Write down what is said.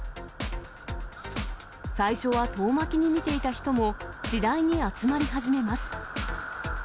最初は遠巻きに見ていた人も、次第に集まり始めます。